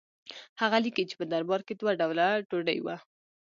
هغه لیکي چې په دربار کې دوه ډوله ډوډۍ وه.